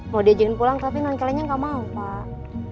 mau diajakin pulang tapi non kelaminnya gak mau pak